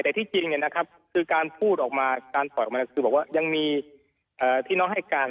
แต่ที่จริงการพูดออกมายังมีที่น้องให้การ